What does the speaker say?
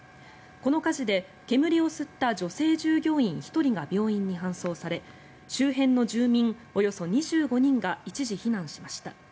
この火事で、煙を吸った女性従業員１人が病院に搬送され周辺の住民およそ２５人が一時避難しました。